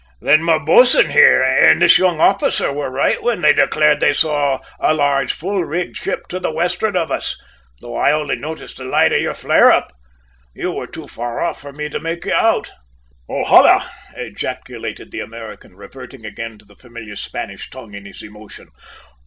"Then my bo'sun here, and this young officer were right when they declared they saw a large full rigged ship to the westward of us, though I only noticed the light of your flare up. You were too far off for me to make you out." "Ojala!" ejaculated the American, reverting again to the familiar Spanish tongue in his emotion.